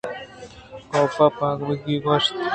کاف ءَ پہ ابکہی گوٛشت